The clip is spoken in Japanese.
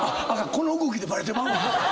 この動きでバレてまうわ。